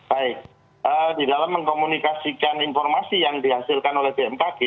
baik di dalam mengkomunikasikan informasi yang dihasilkan oleh bmkg